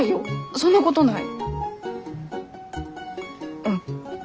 そんなことない。